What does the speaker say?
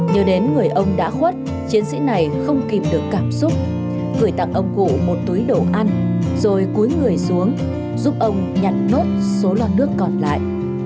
nhớ đến người ông đã khuất chiến sĩ này không kìm được cảm xúc gửi tặng ông cụ một túi đồ ăn rồi cuối người xuống giúp ông nhặt nốt số lon nước còn lại